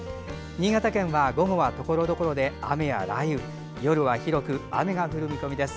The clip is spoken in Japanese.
新潟県は、午後はところどころで雨や雷雨夜は広く雨が降る見込みです。